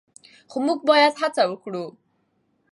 خو موږ باید هڅه وکړو.